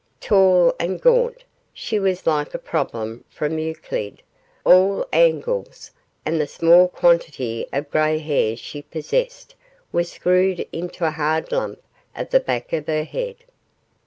Tall and gaunt, she was like a problem from Euclid, all angles, and the small quantity of grey hair she possessed was screwed into a hard lump at the back of her head.